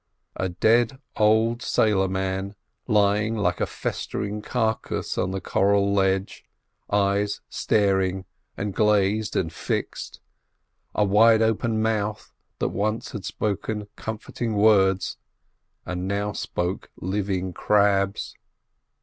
A dead old sailor man lying like a festering carcass on a coral ledge, eyes staring and glazed and fixed, a wide open mouth that once had spoken comforting words, and now spoke living crabs.